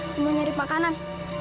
aku mau cari makanan